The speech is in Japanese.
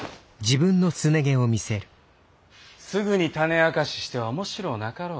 すぐに種明かししては面白うなかろう。